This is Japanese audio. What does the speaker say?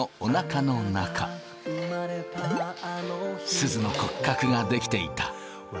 すずの骨格が出来ていた。